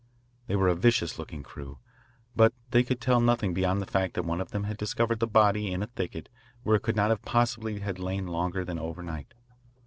They were a vicious looking crew, but they could tell nothing beyond the fact that one of them had discovered the body in a thicket where it could not possibly have lain longer than overnight.